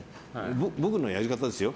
僕のやり方ですよ。